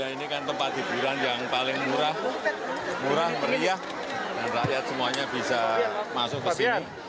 ini kan tempat hiburan yang paling murah murah meriah dan rakyat semuanya bisa masuk ke sini